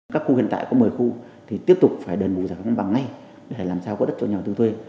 các khu hiện tại có một mươi khu thì tiếp tục phải đền bù giải phóng mặt bằng ngay để làm sao có đất cho nhà đầu tư thuê